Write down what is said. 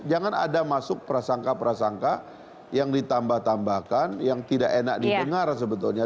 jangan ada masuk prasangka prasangka yang ditambah tambahkan yang tidak enak didengar sebetulnya